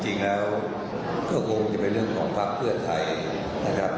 จริงแล้วก็คงจะเป็นเรื่องของภักดิ์เพื่อไทยนะครับ